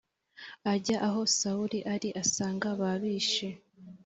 ajya aho sawuli ari asanga babishe